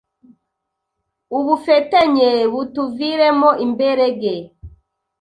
Ubufetenye butuviremo imberege